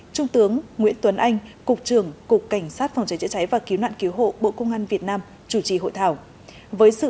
trung tướng nguyễn tuấn anh cục trưởng cục cảnh sát phòng cháy chữa cháy và cứu nạn cứu hộ bộ công an việt nam chủ trì hội thảo